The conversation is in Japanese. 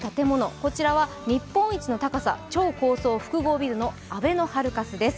こちらは日本一の高さ、超高層複合ビルのあべのハルカスです。